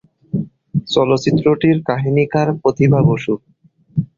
চলচ্চিত্রটির কাহিনীকার প্রতিভা বসু।